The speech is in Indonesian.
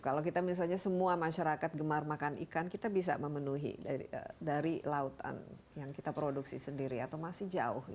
kalau kita misalnya semua masyarakat gemar makan ikan kita bisa memenuhi dari lautan yang kita produksi sendiri atau masih jauh